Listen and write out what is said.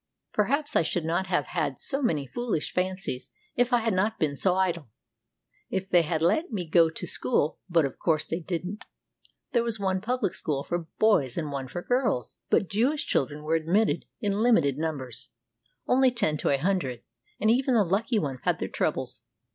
Perhaps I should not have had so many foolish fancies if I had not been so idle. If they had let me go to school — but of course they didn't. There was one public school for boys, and one for girls, but Jewish children were admitted in limited numbers — only ten to a hun dred; and even the lucky ones had their troubles.